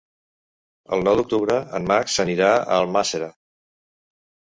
El nou d'octubre en Max anirà a Almàssera.